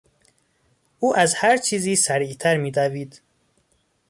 او از هرچیزی سریعتر میدوید.